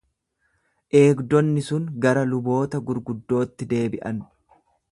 Eegdonni sun gara luboota gurguddootti deebi’an.